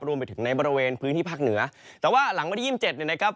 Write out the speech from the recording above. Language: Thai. รวมไปถึงในบริเวณพื้นที่ภาคเหนือแต่ว่าหลังวันที่๒๗เนี่ยนะครับ